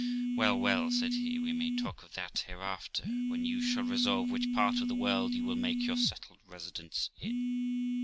'Well, well', said he, 'we may talk of that hereafter, when you shall resolve which part of the world you will make your settled residence in.'